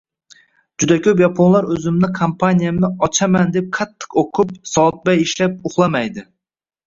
Juda koʻp yaponlar oʻzimni kompaniyamni ochaman deb qattiq oʻqib, soatbay ishlab, uxlamaydi.